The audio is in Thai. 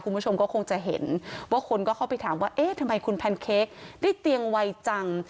คุณผู้ชมก็คงจะเห็นว่าคนก็เข้าไปถามว่าเอ๊ะทำไมคุณแพนเค้กได้เตียงไวจัง